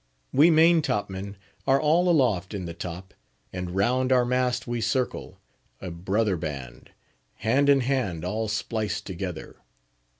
We main top men are all aloft in the top; and round our mast we circle, a brother band, hand in hand, all spliced together.